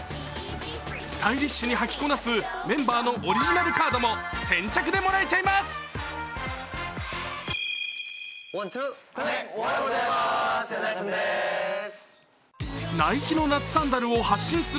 スタイリッシュに履きこなす、メンバーのオリジナルカードも先着でもらえちゃいます。